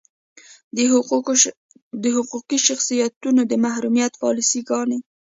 د حقوقي شخصیتونو د محرومیت پالیسي ګانې.